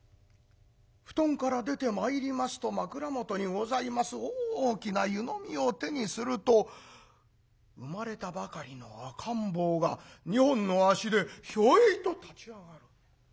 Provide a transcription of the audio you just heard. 布団から出てまいりますと枕元にございます大きな湯飲みを手にすると生まれたばかりの赤ん坊が２本の足でひょいと立ち上がる。